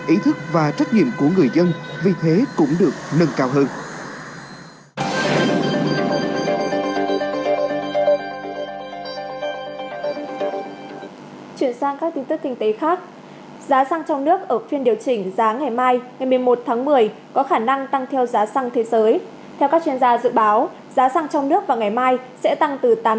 ý thức và trách nhiệm của người dân vì thế cũng được nâng cao hơn